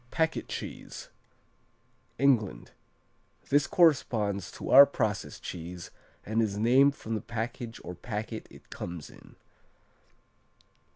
Packet cheese England This corresponds to our process cheese and is named from the package or packet it comes in.